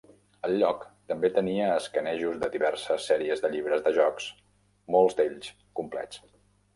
El lloc també tenia escanejos de diverses sèries de llibres de jocs, molts d'ells complets.